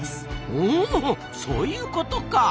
ほうそういうことか。